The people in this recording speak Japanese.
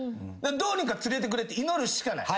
どうにか釣れてくれって祈るしかない。